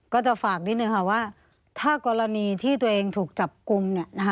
ก็จะฝากนิดนึงค่ะว่าถ้ากรณีที่ตัวเองถูกจับกลุ่ม